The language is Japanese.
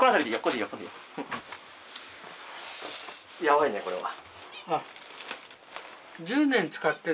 ヤバいねこれは。